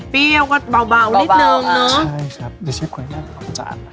เตรียวก็เบานิดนึงเนอะเจ้่ครับเดี๋ยวเชฟคุยมากกว่าจาน